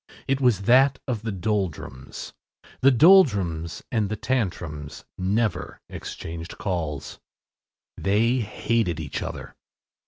It was that of the Doldrums. The Doldrums and the Tantrums never exchanged calls. They hated each other.